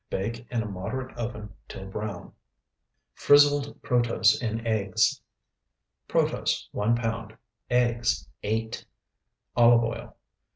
Bake in a moderate oven till brown. FRIZZLED PROTOSE IN EGGS Protose, 1 pound. Eggs, 8. Olive oil.